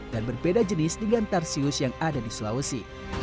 dan berbeda jenis dengan tarsius yang ada di sulawesi